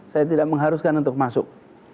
saya tidak mengharuskan untuk masuk